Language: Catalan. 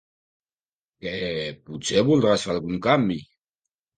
Què potser voldràs fer algun canvi?